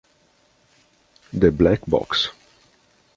The Black Box